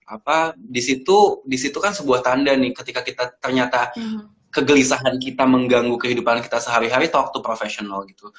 apa disitu kan sebuah tanda nih ketika kita ternyata kegelisahan kita mengganggu kehidupan kita sehari hari talk to professional gitu